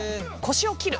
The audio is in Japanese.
腰を切る！